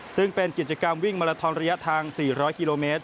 ซึ่งเป็นกิจกรรมวิ่งมาลาทอนระยะทาง๔๐๐กิโลเมตร